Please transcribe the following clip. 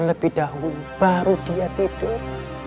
lebih dahulu baru dia tidur